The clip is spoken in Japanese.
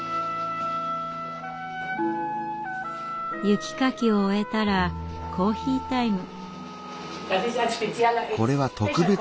雪かきを終えたらコーヒータイム。